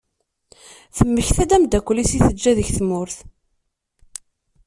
Temmekta-d ameddakel-is i teǧǧa deg tmurt.